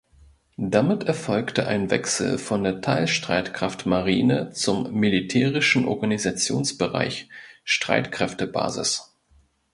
Damit erfolgte ein Wechsel von der Teilstreitkraft Marine zum militärischen Organisationsbereich Streitkräftebasis.